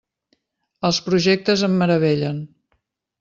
Els projectes em meravellen.